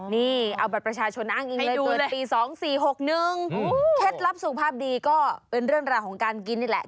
นี่เอาบัตรประชาชนอ้างอิงให้ดูเลยปี๒๔๖๑เคล็ดลับสุขภาพดีก็เป็นเรื่องราวของการกินนี่แหละ